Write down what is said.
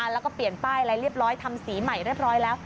แล้วก็เปลี่ยนป้ายอะไรเรียบร้อยทำสีใหม่เรียบร้อยแล้ว